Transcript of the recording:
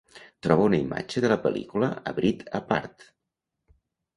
Troba una imatge de la pel·lícula A Breed Apart